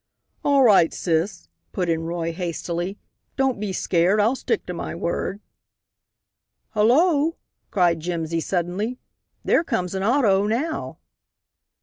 "All right, sis," put in Roy, hastily, "don't be scared. I'll stick to my word." "Hullo!" cried Jimsy, suddenly, "there comes an auto now."